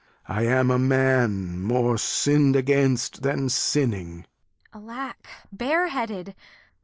I am a man More sinn'd against than sinning. Kent. Alack, bareheaded?